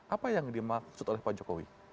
apa yang dimaksud oleh pak jokowi